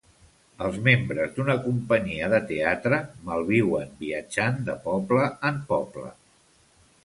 Els membres d'una companyia de teatre malviuen viatjant de poble en poble.